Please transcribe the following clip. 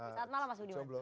saat malam mas budiman